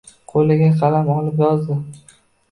Qo’liga qalam olib yozdi.